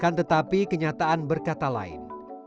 akan tetapi kenyataan berkata lain